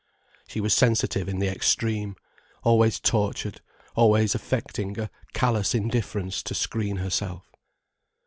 She was sensitive in the extreme, always tortured, always affecting a callous indifference to screen herself.